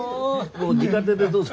もうじか手でどうぞ。